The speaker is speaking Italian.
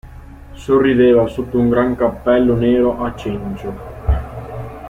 Sorrideva sotto un gran cappello nero a cencio.